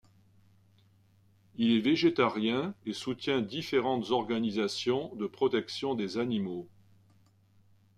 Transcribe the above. Il est végétarien et soutient différentes organisations de protection des animaux.